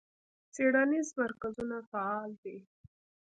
څیړنیز مرکزونه فعال دي.